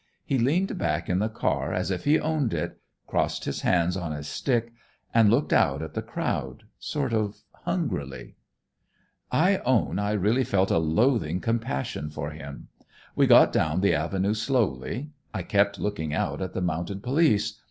He leaned back in the car as if he owned it, crossed his hands on his stick and looked out at the crowd sort of hungrily. "I own I really felt a loathing compassion for him. We got down the avenue slowly. I kept looking out at the mounted police.